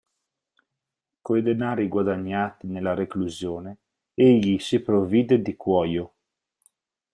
Coi denari guadagnati nella reclusione egli si provvide di cuoio.